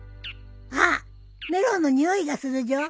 あっメロンの匂いがするじょ。